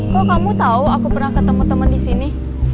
kok kamu tau aku pernah ketemu temen disini